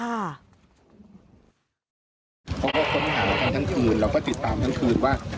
เขาก็ค้นหากันทั้งคืนเราก็ติดตามทั้งคืนว่า